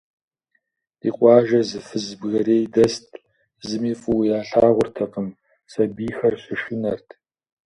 Ди къуажэ зы фыз бгэрей дэст, зыми фӏыуэ ялъагъуртэкъым, сабийхэр щышынэрт.